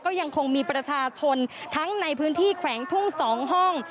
ก็ยังคงมีประชาชนทั้งในพื้นที่แขวงทุ่ง๒ห้อง